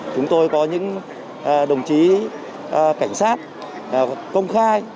chúng tôi có những đồng chí cảnh sát công khai